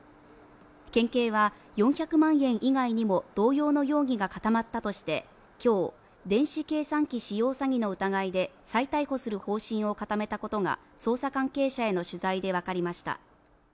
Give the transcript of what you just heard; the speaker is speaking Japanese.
県警は４００万円以外にも同様の容疑が固まったとして、今日、電子計算機使用詐欺の疑いで再逮捕する方針を固めたことが捜査関係者への取材でわかりました。